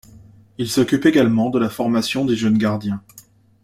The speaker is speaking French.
Il s'occupe également de la formation des jeunes gardiens.